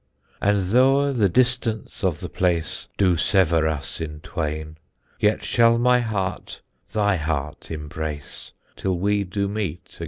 And thoughe the dystance of the place Doe severe us in twayne, Yet shall my harte thy harte imbrace Tyll we doe meete agayne.